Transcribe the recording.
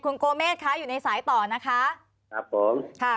คุณโกมเมตอยู่ในสายต่อนะคะ